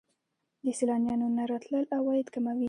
د سیلانیانو نه راتلل عواید کموي.